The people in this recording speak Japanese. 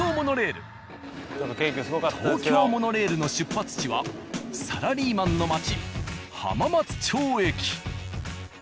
東京モノレールの出発地はサラリーマンの街浜松町駅。